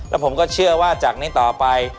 แล้วผมก็เชื่อว่าจากนี้ต่อไป